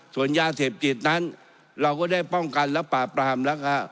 ส่วนยาเสพติดนั้นเราก็ได้ป้องกันและปราบปรามแล้วค่ะ